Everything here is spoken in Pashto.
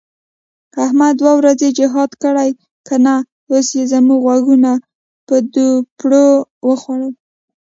احمد دوه ورځې جهاد کړی که نه، اوس یې زموږ غوږونه په دوپړو وخوړل.